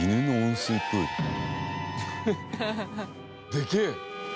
でけえ！